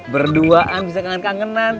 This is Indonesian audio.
berduaan bisa kangen kangenan